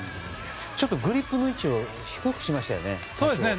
ちょっとグリップの位置を低くしましたよね。